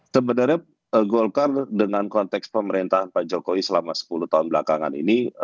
sebenarnya golkar dengan konteks pemerintahan pak jokowi selama sepuluh tahun belakangan ini